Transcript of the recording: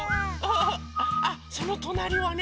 あそのとなりはね。